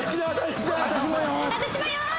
「私もよ」